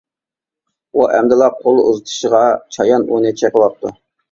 ئۇ ئەمدىلا قول ئۇزىتىشىغا چايان ئۇنى چېقىۋاپتۇ.